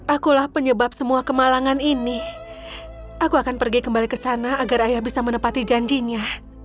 akulah penyebab semua kemalangan ini aku akan pergi kembali ke sana agar ayah bisa menepati janjinya